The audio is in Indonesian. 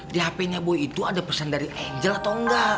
di hp nya boy itu ada pesan dari angel atau enggak